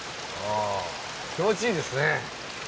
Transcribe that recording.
気持ちいいですね。